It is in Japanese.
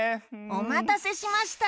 おまたせしました。